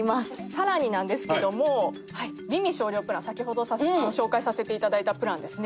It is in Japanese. さらになんですけども美味少量プラン先ほど紹介させて頂いたプランですね。